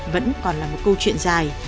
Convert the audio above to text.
vẫn còn là một câu chuyện dài